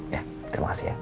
ya terima kasih ya